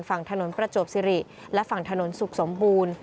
ฝั่งถนนประจวบสิริและฝั่งถนนสุขสมบูรณ์